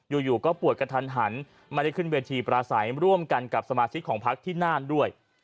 อยู่ก็ปวดกระทันหันไม่ได้ขึ้นเวทีปราศัยร่วมกันกับสมาชิกของพักที่น่านด้วย